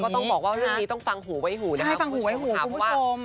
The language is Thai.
ก็ต้องบอกว่าเรื่องนี้ต้องฟังหูไว้หูนะครับ